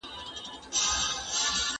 د جواز لپاره سخت اصول پلي کېږي.